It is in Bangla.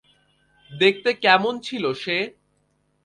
দেখতে কেমন ছিলো সে?